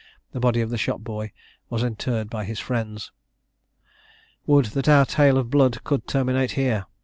The body of the shop boy was interred by his friends. Would that our tale of blood could terminate here!